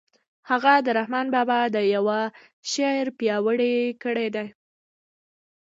هغه د رحمن بابا د يوه شعر پيروي کړې ده.